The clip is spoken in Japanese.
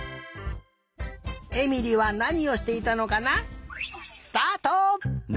えみりはなにをしていたのかな？